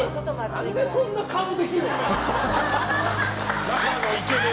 なんでそんな顔できる？